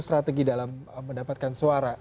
strategi dalam mendapatkan suara